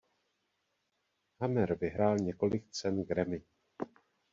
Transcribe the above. Hammer vyhrál několik cen Grammy.